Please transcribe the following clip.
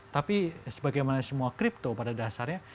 tapi sebagaimana semua crypto pada dasarnya